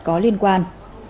có liên quan